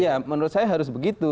ya menurut saya harus begitu